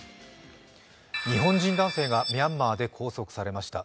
日本人男性がミャンマーで拘束されました。